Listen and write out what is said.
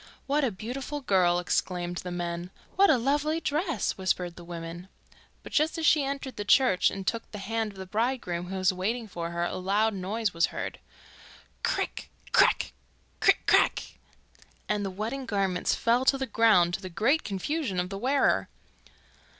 'What a beautiful girl!' exclaimed the men. 'What a lovely dress!' whispered the women. But just as she entered the church and took the hand of the bridegroom, who was waiting for her, a loud noise was heard. 'Crick! crack! Crick! crack!' and the wedding garments fell to the ground, to the great confusion of the wearer.